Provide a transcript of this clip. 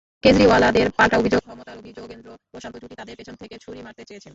কেজরিওয়ালদের পাল্টা অভিযোগ, ক্ষমতালোভী যোগেন্দ্র-প্রশান্ত জুটি তাঁদের পেছন থেকে ছুরি মারতে চেয়েছেন।